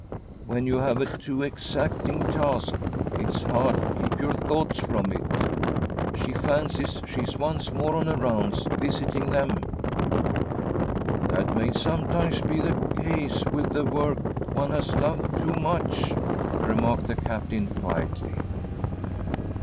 " When you • 'have a too exacting . task, it's hard to keep your thoughts from it. She fancies she is once more on her rounds, visiting them." —»! 14 THY SOUL SHALL BEAR WITNESS !" That m^y sometimes be the case with a work one has loved too much," remarked the Captain quietly.